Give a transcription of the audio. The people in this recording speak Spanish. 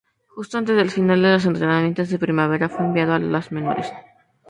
Justo antes del final de los entrenamientos de primavera, fue enviado a las menores.